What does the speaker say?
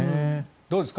どうですか？